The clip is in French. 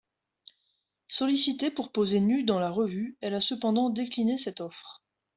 Sollicitée pour poser nue dans la revue, elle a cependant décliné cette offre.